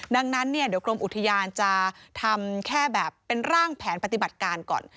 ดังนั้นเนี่ยเดี๋ยวกรมอุทยานจะทำแค่แบบเป็นร่างแผนปฏิบัติการก่อน